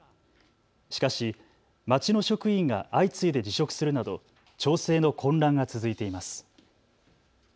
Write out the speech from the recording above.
しかし町の職員が相次いで辞職するなど町政の混乱が続いています。